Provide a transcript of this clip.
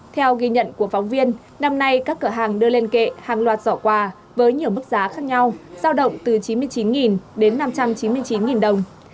theo ghi nhận của phóng viên năm nay các cửa hàng đưa lên kệ hàng loạt giỏ quà với nhiều mức giá khác nhau giao động từ chín mươi chín đến năm trăm chín mươi chín đồng